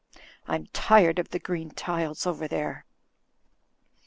I'm tired of the green tiles over there.